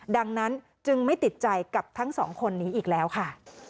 ดังนั้นจึงไม่ติดใจกับทั้งสองคนนี้อีกแล้วค่ะ